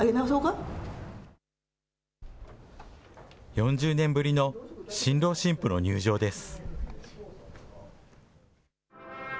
４０年ぶりの新郎新婦の入場です。